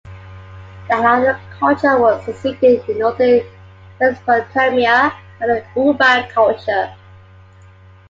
The Halaf culture was succeeded in northern Mesopotamia by the Ubaid culture.